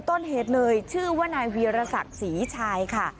ต้นเหตุเลยชื่อว่านายเวียรศักดิ์ศรีชายค่ะ